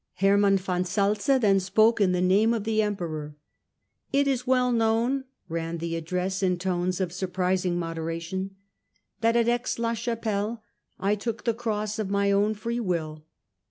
Hermann von Salza then spoke in the name of the Emperor. " It is well known," ran the address, in tones of sur prising moderation, " that at Aix la Chapelle I took the Cross of my own free will.